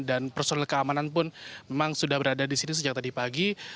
dan personel keamanan pun memang sudah berada di sini sejak tadi pagi